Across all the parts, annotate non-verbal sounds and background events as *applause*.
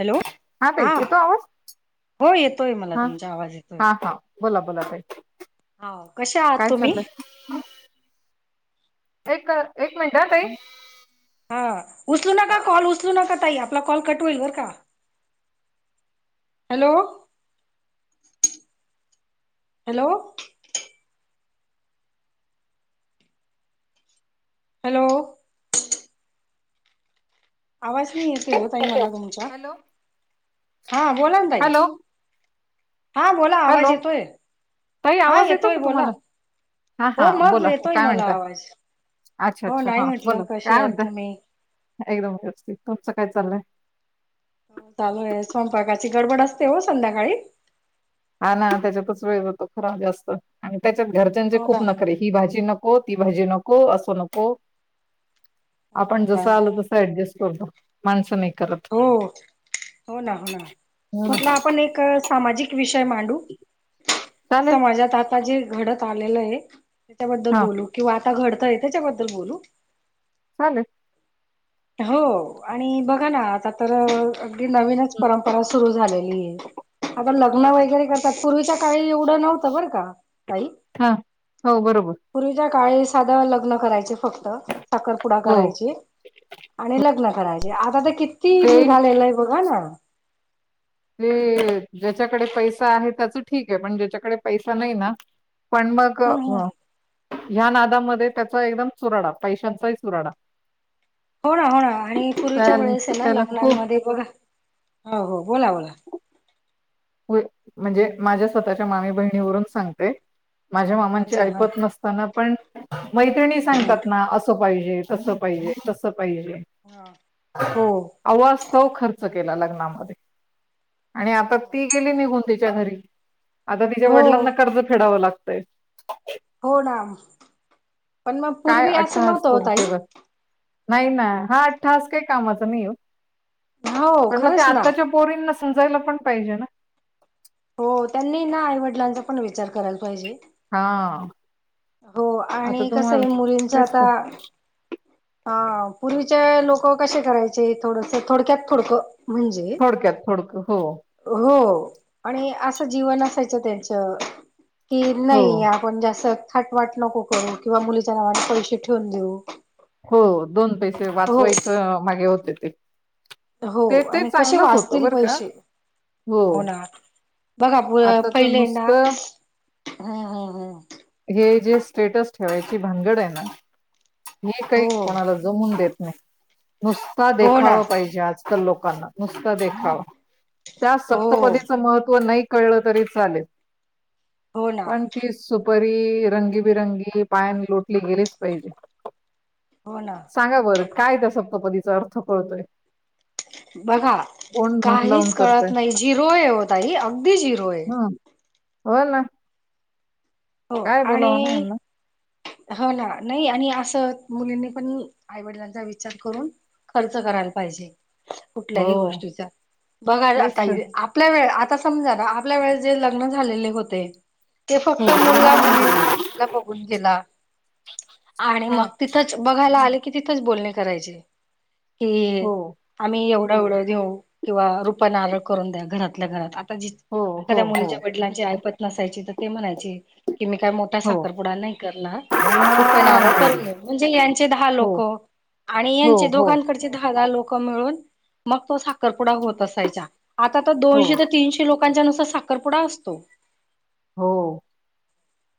Hello हा ताई येतो आवाज? हो येतोय मला. हा तुमचा आवाज येतोय. हा हा बोला बोला ताई हो कसे आहात काय तुम्ही? चाललंय एक- एक मिनट ताई. हा उचलू नका कॉल उचलू नका ताई. आपला कॉल कट होईल बर का? हॅलो! हॅलो! हॅलो! आवाज नाही येेते हो ताई मला तुमचा हॅलो हा बोला ना तई, हॅलो हॅलो. ताई हा आवाज येतो येतोय का बोला तुम्हाला? हा हा हो मग बोला येतोय काय मला म्हणता? आवाज अच्छा हो अच्छा नाही म्हटलं हाबोला कसे काय आहात म्हणतय? तुम्ही एकदम व्यवस्थित तुमचं काय चाललंय? हो चालू आहे. स्वयंपाकाची गडबड असते हो संध्याकाळी. हा ना, त्याच्यातच वेळ जातो खरा जास्त आणि त्याच्यात घरच्यांची हो ना खूप नखरे ही भाजी नको, ती भाजी नको असो नको, हो ना आपण हो ना जस आल तस ऍडजस्ट करतो. माणस नाही करत हो -हो ना, हो ना म्हटल आपण एक सामाजिक विषय मांडू. चालेल समाजात आता जे घडत आलेल आहे त्याच्याबद्दल हा बोलू. किं आता घडतय त्याच्याबद्दल बोलू. चालेल. हो आणि बघा ना आता तर अगदी नवीनच परंपरा सुरू झालेली आहे. आता लग्न वगैरे करतात पूर्वीच्या काही एवढ नव्हत बर का काही? हा हो बरोबर. पूर्वीच्या काळी साध लग्न करायचे फक्त साखरपुडा हो करायचचे. आणि लग्न करायचे आता तर किती ते निघालेल आहे बघा ना. ते ज्याच्याकडे पैसा आहे. त्याच ठीक आहे पण ज्याच्याकडे पैसा नाही ना, पण मग हम्म हम्म. ह्या नादामध्ये त्याचा एकदम चुराडा पैशांचाही चुराडा. हो ना होना आणि पूर्वीच्या वेळेस आहे ना त्याला खूप लग्नांमध्ये बघा हो हो बोला बोला. म्हणजे माझ्या स्वतःच्या मामी बहिणीवरून सांगते माझ्या मामांची अच्छा हा ऐपत नसते, पण मैत्रिणी हम्म हम्म. सांगतात ना अस पाहिजे तस पाहिजे तस पाहिजे. हो! अवास्तव खर्च केला लग्नामध्ये आणि आता, ती गेली निघून तिच्या घरी आता तिच्या हो वडिलांना कर्ज फेडाव लागतय. हो ना, पण मग काय पूर्वी असं अट्टहास नव्हत हो तो ताई. उपयोग नाही ना, हा अठठाहस काही कामाचा नाही ओ हो पण मग ते खरंच ना आताच्या पोरीना समजायला पण पाहिजे ना. हो त्यांनी हेना आईवडिलांचा पण विचार करायला पाहिजे. हा हो आता आणि कस तुम्हाला आहे मुलीच तेच तर आता. हा पूर्वीच्या लोक कसे करायचे थोडस थोडक्यात थोड म्हणजे थोडक्यात थोडक हो हो आणि अस जीवन असायच त्यांच की हो नाही. आपण जास्त थाट वाट नको करू किंवा मुलीच्या नावाने पैसे ठेवून देऊ. हो दोन पैसे हो वाचवायच मागे होते ते. हो ते ते आणि कसे चांगलंच होतं वाचतील बरं का पैसे? हो ना. बघा आताच पहिलेय ना. नुसतं ह, ह, ह. हे जे स्टेटस ठेवायची भानगडे ना. हे हम्म काही हो कोणाला जमवुन देत नाही. नुसता हो ना देखावा पाहिजे. आज कल लोकांना नुसत देखावा. त्या हो सप्तपदीचं महत्त्व नाही कळलं तरी चालेल. हो ना. पण ती सुपारी रंगीबिरंगी, पायान लोटली गेलीच पाहिजे. हो ना. सांगा बरं काय त्या सप्तपदीचा अर्थ कळतोय? बघा कोण मन लावून काहीच कळत करतय नाही. झिरोय हो ताई. अगदी झिरोय. हं हो ना. हो काय बोलावं ना आणि यांना हो ना, नाही आणि अस मुलींनी पण आईवडिलांचा विचार करून खर्च करायला पाहिजे. कुठल्याही हो गोष्टीचा. बघा ना तेच ताई तर आप पल्या वेळ आता समजा. आपल्या वेळेस जे लग्न झालेले होते. ते फक्त हो मुलगा मुली मुलीला बघून गेला. आणि हा मग तिथ तिथच. बघायला आले कि तिथंच बोलणी करायची कि, हो आम्ही एवढं एवढं देऊ, किंवा रूप नारळ करून द्या. घरातल्या घरात. आता ज हो हो एखाद्या हो मुलीच्या वडिलांची आईपत नसायची. तर ते म्हणायचे की, मी काय मो ठा हो साखरपुडा नाही करणार. रुपया हा, नारळ करून देऊ. म्हणजे यांचे दहा हो लोक आणि हो यांचे हो दोघांकडचे दहा दहा लोक मिळून. मग तो साखरपुडा होत असायचा. आता तर हो दोनशे ते तीनशे लोकांच्या नुसार साखरपुडा असतो. हो.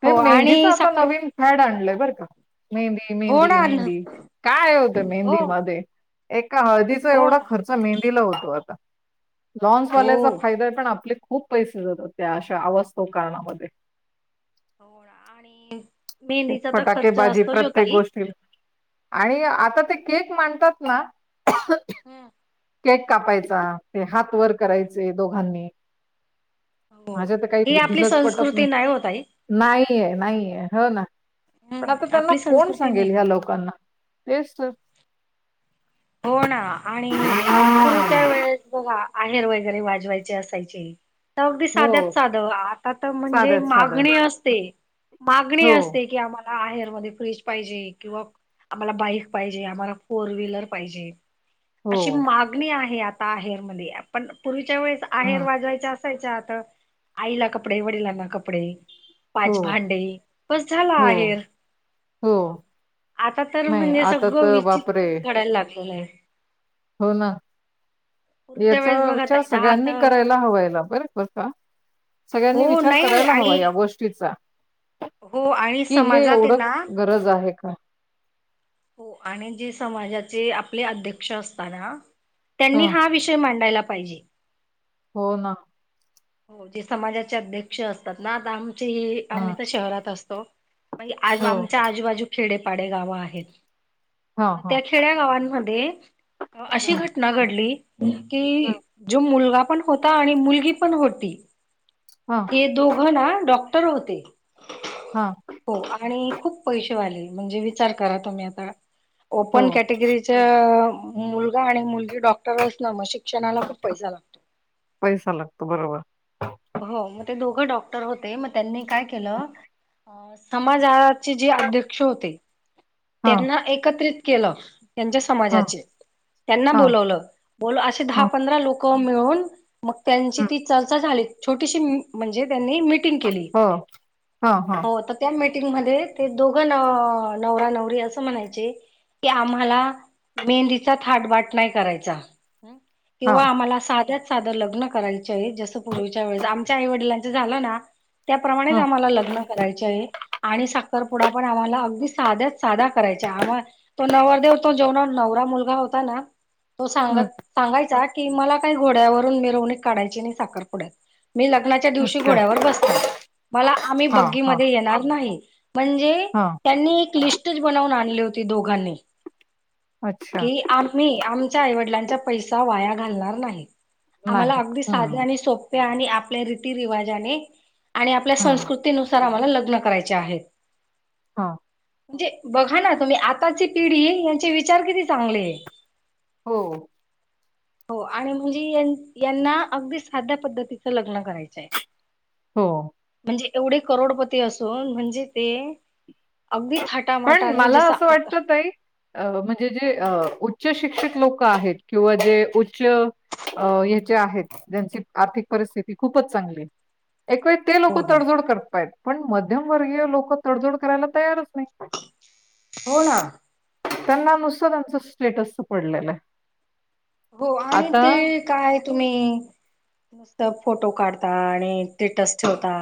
ते हो मेहंदीच आणि आता साखर नवीन फॅड आणलंय बर का. मेहंदी हो मेहंदी ना मेहंदी. काये ओ त्या मेहंदी हो मध्ये? एका हळदीचा हो एवढा ना खर्च मेहंदीला होतो आता. हो लॉन्सवाल्याचा फायदाय. पण आपले खूप पैसे जातात. त्या अशा अवास्तव कारणामध्ये. हो ना आणि मेहंदीचा तर फटाके खर्च बाजी असतोच ओ प्रत्येक ताई गोष्टीत. आणि आता ते केक मांडतात ना. हम्म. केक कापायचा. ते हात वर करायचे दोघांनी. माझ्या त काही आपली बुद्धीलाच पटत संस्कृती नाही. ओ ताई. नाहीये, नाहीये, हो ना. पण आता हम्म त्यांना आपली कोण संस्कृती नाही. सांगेल? ह्या लोकांना तेच तर. हो ना. आणि पूर्वीच्या वेळेस बघा आहेर वगैरे वाजवायचे असायचे. अगदी हो साध्यात साध. आता त म्हणजे साध्यात साधं मागणी असते. मागणी हो असते की आम्हा ला आहेरमध्ये फ्रीज पाहिजे किंवा आम्हाला बाईक पाहिजे, आम्हाला फोर व्हीलर पाहिजे. हो अशी मागणी आहे आता आहेरमध्ये. पण पूर्वीच्या वेळेस आहेर हम्म वाजवायचा *unintelligible* असायचा. आता आईला कपडे, वडिलांना कपडे. हो पाच भांडे बस झाला हो आहेर. हो, आता तर नाही म्हणजे आता सगळं तर बापरे विचित्रच घडायला लागलेय. हो ना. पूर्वीच्या याचा वेळेस बघा विचार ताई दहा सगळ्यांनी तर कराय या ब सगळ्यांनी हो विचार नाही करायला हवा आणि या गोष्टीचा. हो आणि कि हे समाजात आहे एवढं ना गरज आहे का? हो आणि जे समाजाचे आपले अध्यक्ष असतना त्यांनी हं, हा विषय मांडायला पाहिजे. हो ना. हो जे समाजाचे अध्यक्ष असतात ना आता आमचे हे हं, आम्ही तर शहरात असतो. म आ हो. आमच्या आजूबाजू खेडेपाडे गाव आहेत. हां, त हां. त्या खेड्यागावांमध्ये अशी हं, घटना घडली हं. कि जो मुलगा पण होता आणि मुलगी पण होती हां, ते दोघं ना डॉक्टर होते. हा. हो आणि खूप पैशे वाले म्हणजे विचार करा तुम्ही आता ओपन हो, कॅटेगरी च्या मुलगा आणि मुलगी डॉक्टर असण म शिक्षणाला खूप पैसा लागतो. पैसा लागतो बरोबर. हो म ते दोघं डॉक्टर होते मग त्यांनी काय केलं अ समाजाचे जे अध्यक्ष होते हां, त्यांना एकत्रित केलं त्यांच्या हां, समाजाचे त्यांना हां, बोलवलं. बोल असे दहा हां. पंधरा लोक मिळून मग त्यांची हं, ती चर्चा झाली. छोटीशी म्हणजे त्यांनी मिटिंग केली हो. हां, हां, हो त्या मीटिंगमध्येध्ये ते दोघं न नवरा नवरी असं म्हणायचे की आम्हाला मेहंदीचा थाटबाट नाही करायचा. हं. किंवा हां. आम्हाला साध्यात साधं लग्न करायचे जसं पूर्वी च्या वेळेस आमच्या आई वडिलांच झाल ना त्याप्रमाणे हं, आम्हाला लग्न करायचे आहे. आणि साखरपुडा पण आम्हाला अगदी साध्याच साध्या करायचय आम्हा तो नवरदेव तो जेवणा नवरा मुलगा होता ना तो सांगत हं. सांगायचा की मला काही घोड्यावरून मिरवणूक काढायची नाही साखर पुुड्यात. मी लग्नाच्या दिवशी अच्छा. घोड्यावर बसणार मला आम्ही हां, बग्गी हां, मध्ये येणार नाही. म्हणजे हां. त्यांनी एक लिस्टच बनवून आणली होती दोघांनी अच्छा. की आम्ही आमच्या आईवडिलांचा पैसा वाया घालणार नाही. आम्हाला नाही. अगदी साध्या हं, आणि सोप्या आणि आपल्या रीती रिवाजाने आणि आपल्या हं. संस्कृती ती नुसार आम्हाला लग्न करायचे आहे. हा. म्हणजे बघा ना तुम्ही आताची पिढी यांचे विचार किती चांगले. हो. हो आणि म्हणजे यांना अगदी साध्या पद्धती चं लग्न करायचंय. हो. म्हणजे एवढे करोडपती असून म्हणजे ते अगदी थटा पण मला असं वाटत ताई अ म्हणजे जे अ उच्च शिक्षित लोक आहेत किंवा जे उच्च अ याचे आहेत ज्यांची आर्थिक परिस्थिती खूपच चांगली एक ते लोक हो हो तडजोड करतायत पण मध्यमवर्गीय लोक तडजोड करायला तयारच नाही. हो ना. त्यांना नुसतं त्याचं स्टेटसच पडलेलं आहे. हो आणि आता ते काय तुम्ही मस्त फोटो काढता आणि स्टेटस ठेवता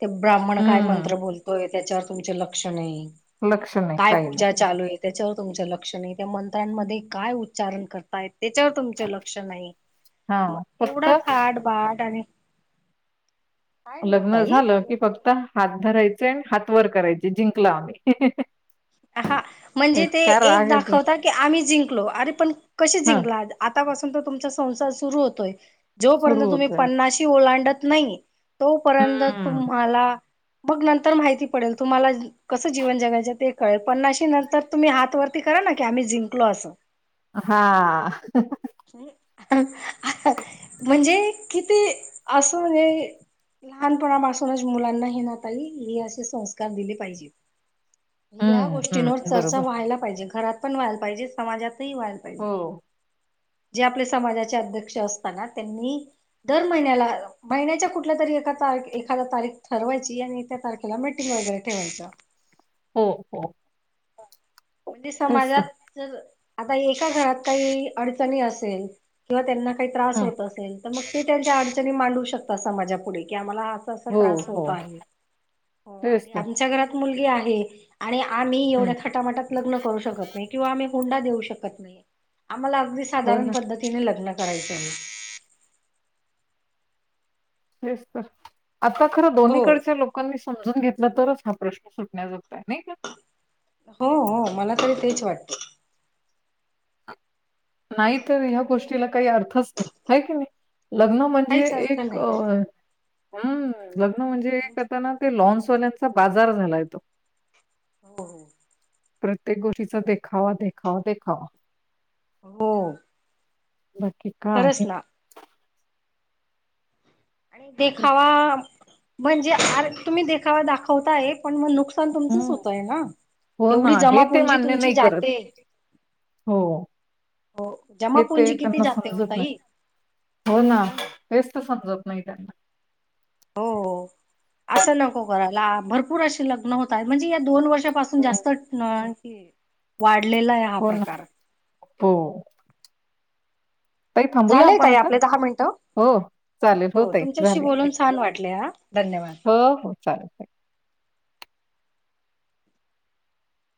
ते ब्राह्मण काय हम्म मंत्र बोलतोय त्याच्यावर तुमच लक्ष नाही. लक्ष नाही काय काही नाही पूजा चालू आहे? त्याच्यावर तुमच लक्ष नाही त्या मंत्रांमध्ये काय उच्चारण करतात. त्याच्यावर तुमच लक्ष नाही हा मग फक्त एवढा थाट बाट आणि काय नाही हो लग्न ताई झाल की फक्त हात धरायचे हात वर करायचे जिंकल आम्ही. हा म्हणजे ते इतका एक राग येतो दाखवता की आम्ही जिंकलो अरे पण कशे हा जिंकलात? आतापासून तर तुमचा संसार सुरू होतोय सुरू जोपर्यंत तुम्ही होतोय पन्नाशी ओलांडत नाही तोपर्यंत हम्म तुम्हाला मग नंतर माहिती पडेल तुम्हाला कसं जीवन जगायच ते. कळेल पन्नाशी नंतर तुम्ही हात वरती करा ना की आम्ही जिंकलो अस. हां म्हणजे किती अस हे. लहानपणापासूनच मुलांना हे ना ताई हे असे संस्कार दिले पाहिजे. या हम्म गोष्टींवर हम्म चर्चा बरोबर व्हायला पाहिजे घरात पण व्हायला पाहिजे समाजातही व्हाय हो जे आपले समाजाचे अध्यक्ष असतना त्यांनी दर महिन्याला महिन्याच्या कुठल्या तरी एका तारखेला एखादा तारीख ठरवायची आणि त्या तारखे त्याला मीटिंग वगैरे ठेवायच. हो हो म्हणजे तेच समाजात तर जर आता एका घरात काही अडचणी असेल किंवा त्यांना काही त्रास हम्म होत असेल तर मग ते त्यांच्या अडचणी मांडू शकतात समाजा पुुढे की आम्हाला असा हो त्रास हो होत आहे तेच आणि तर आमच्या घरात मुलगी आहे. आणि आम्ही एवढ हम्म थाटामाटात लग्न करु शकत नाही किंवा आम्ही हुंडा देऊ शकत नाही आम्हाला अगदी हो साधारण ना पद्धतीने तिने लग्न करायच आहे‌. तेस तर आता खरं हो दोन्हीकडचे लोक लोकांनी समजून घेतल तरच हा प्रश्न सुटण्या जगतोय नाही का? हो हो मला तरी तेच वाटत. नाही तर ह्या गोष्टीला काही अर्थच नाही हाय की नाही लग्न म्हणजे काहीच अर्थ एक नाही अ हो. हम्म लग्न म्हणजे एक आता ना ते लॉन्सवाल्यांचा बाजार झालाय तो. हो हो प्रत्येक गोष्टीचा देखावा देखावा देखावा. हो बाकी खरच काही ना. नाही. देखावा म्हणजे आर तुम्ही देखावा दाखवताय पण मग लोक नुकसान तुमचच हं, होतय ना हो ना, एवढी हे ते जमापुंजी मान्य तुमची नाही करत. जाते. हो, हो हे ते जमापुंजी किती त्यांना जाते हो समजत ताई. हो ना तेेच तर समजत नाही त्यांना. हो असं नको करायला भरपूर असे लग्न होतात म्हणजे या दोन वर्ष पासून हं, जास्त वाढलेला हा हो ना प्रकार हो ताई थांबूया झालेय आपण ताई आता? आपले दहा मिनटं हो, चालेल. हो ताई, तुमच्याशी झाले. बोलून छान वाटले हा धन्यवाद. हो हो चालेल ताई.